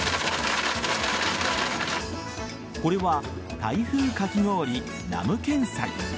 これはタイ風かき氷ナムケンサイ。